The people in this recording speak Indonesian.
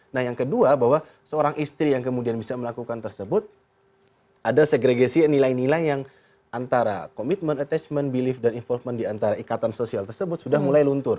nah yang kedua bahwa seorang istri yang kemudian bisa melakukan tersebut ada segregasi nilai nilai yang antara commitment attachment believe dan involvement diantara ikatan sosial tersebut sudah mulai luntur